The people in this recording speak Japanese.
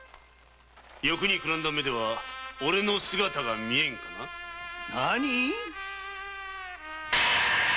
欲にくらんだ目ではオレの姿が見えんのかな？ナニィ！？